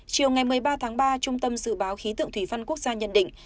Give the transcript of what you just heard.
chiều ngày một mươi ba tháng ba trung tâm dự báo khí tượng thủy văn quốc gia nhận định